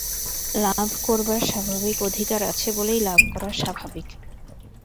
লাভ করবার স্বাভাবিক অধিকার আছে বলেই লোভ করা স্বাভাবিক।